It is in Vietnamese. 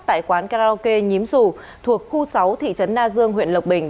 tại quán karaoke nhím dù thuộc khu sáu thị trấn na dương huyện lộc bình